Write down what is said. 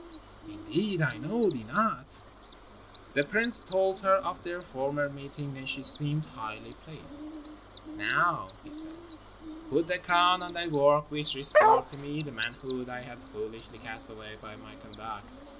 "Indeed! I know thee not." The prince told her of their former meeting and she seemed highly pleased. "Now," he said, "put the crown on thy work which restored to me the manhood I had foolishly cast away by my conduct.